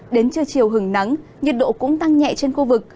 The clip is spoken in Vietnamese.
đến trưa chiều hứng nắng nhiệt độ cũng tăng nhẹ trên khu vực